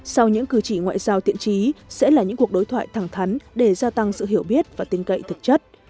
sau những cử chỉ ngoại giao tiện trí sẽ là những cuộc đối thoại thẳng thắn để gia tăng sự hiểu biết và tin cậy thực chất